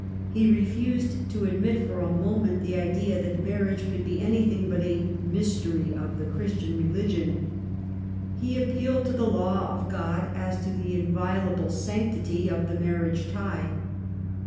He refused to admit for a moment the idea that marriage could be anything but a mys tery of the Christian religion. He appealed to the law of God as to the inviolable sanctity of the marriage tie.